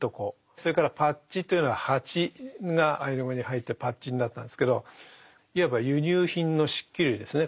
それからパッチというのは鉢がアイヌ語に入ってパッチになったんですけどいわば輸入品の漆器類ですね。